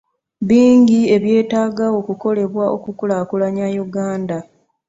Bingi ebyetaaga okukolebwa okulaakulanya Uganda.